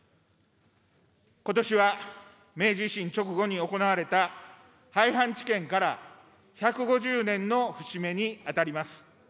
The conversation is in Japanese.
ことしは明治維新直後に行われた廃藩置県から１５０年の節目に当たります。